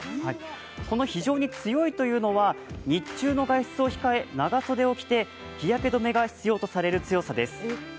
この非常に強いというのは、日中の外出を控え長袖を着て日焼け止めが必要とされる強さです。